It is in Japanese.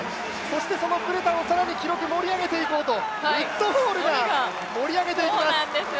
そのブレタを更に記録盛り上げていこうと、ウッドホールが盛り上げていきます。